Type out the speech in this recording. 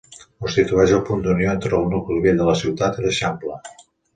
Constitueix el punt d'unió entre el nucli vell de la ciutat i l'Eixample.